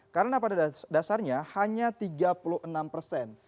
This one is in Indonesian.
karena pada dasarnya hanya tiga puluh enam persen